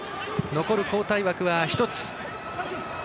残る交代枠は１つ。